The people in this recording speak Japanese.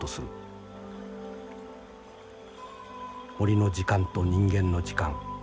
森の時間と人間の時間。